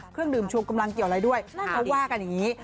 เครื่องดื่มชูกำลังเกี่ยวอะไรด้วยเขาว่ากันอย่างนี้